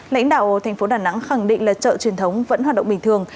lãnh đạo thành phố đà nẵng khẳng định là chợ truyền thống vẫn hoạt động bình thường